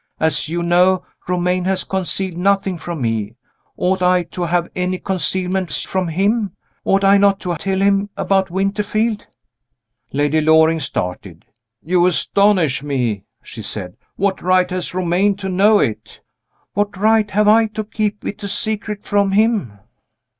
As you know, Romayne has concealed nothing from me. Ought I to have any concealments from him? Ought I not to tell him about Winterfield?" Lady Loring started. "You astonish me," she said. "What right has Romayne to know it?" "What right have I to keep it a secret from him?"